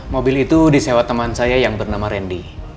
mobil itu disewa teman saya yang bernama randy